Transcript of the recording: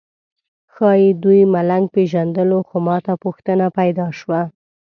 ښایي دوی ملنګ پېژندلو خو ماته پوښتنه پیدا شوه.